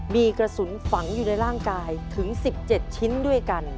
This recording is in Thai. มีกระสุนฝังอยู่ในร่างกายถึง๑๗ชิ้นด้วยกัน